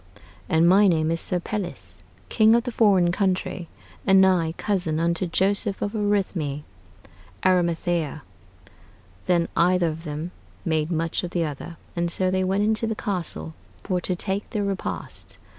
"And my name is Sir Pelles, king of the forrain countrey, and nigh cousin unto Joseph of Arithmy" [Arimathea]. Then either of them made much of the other, and so they went into the castle for to take their repast.